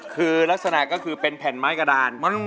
คือลักษณะก็คือเป็นแผ่นไม้กระดาน